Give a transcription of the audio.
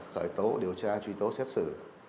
khởi tố điều tra truy tố xét xử